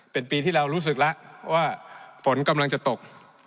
เป็นปีที่เรารู้สึกแล้วว่าฝนกำลังจะตก